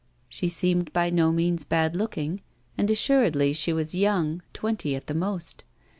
She seemed by no means bad looking, and assuredly she was young: twenty at the most.